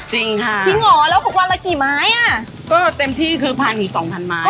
จริงค่ะจริงเหรอแล้ววันละกี่ไม้อ่ะก็เต็มที่คือพันอีกสองพันไม้